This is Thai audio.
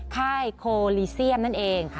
ใคร่โคลิเซียมนั้นเอง